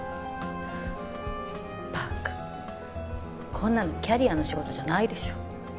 こんなのキャリアの仕事じゃないでしょ。